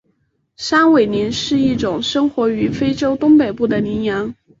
山苇羚是一种生活于非洲东北部的羚羊。